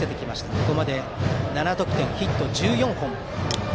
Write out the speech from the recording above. ここまで７得点ヒット１４本。